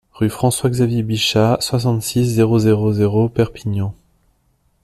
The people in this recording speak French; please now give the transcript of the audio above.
Rue François Xavier Bichat, soixante-six, zéro zéro zéro Perpignan